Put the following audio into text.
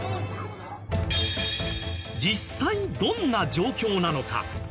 実際どんな状況なのか？